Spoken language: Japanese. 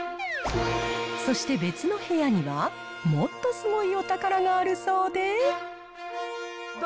そして、別の部屋にはもっとすごいお宝があるそうで。